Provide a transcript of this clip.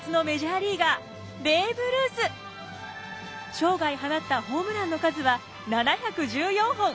生涯放ったホームランの数は７１４本。